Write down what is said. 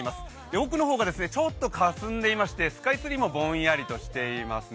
奥の方がちょっとかすんでいましてスカイツリーもぼんやりとしていますね。